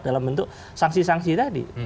dalam bentuk sanksi sanksi tadi